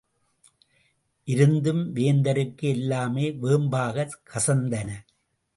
இருந்தும், வேந்தருக்கு எல்லாமே வேம்பாகக் கசந்தன.